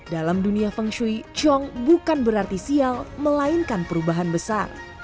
dalam dunia feng shui chong bukan berarti sial melainkan perubahan besar